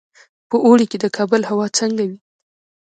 په اوړي کې د کابل هوا څنګه وي؟